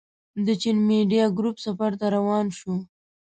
د چين ميډيا ګروپ سفر ته روان شوو.